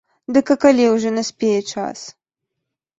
Дык а калі ўжо наспее час?